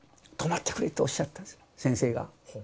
「止まってくれ」とおっしゃったんですよ先生が。